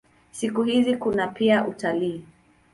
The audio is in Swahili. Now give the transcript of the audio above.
Siku hizi kuna pia utalii.